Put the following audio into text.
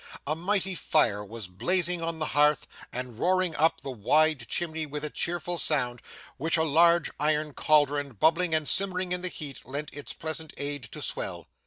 A mighty fire was blazing on the hearth and roaring up the wide chimney with a cheerful sound, which a large iron cauldron, bubbling and simmering in the heat, lent its pleasant aid to swell.